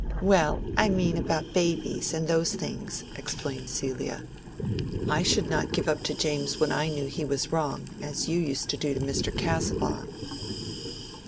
"Well, I mean about babies and those things," explained Celia. "I should not give up to James when I knew he was wrong, as you used to do to Mr. Casaubon."